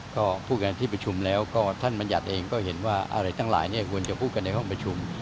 ก็พูดกันที่ประชุมแล้วก็ท่านบัญญัติเองก็เห็นว่าอะไรทั้งหลายควรจะพูดกันในห้องประชุม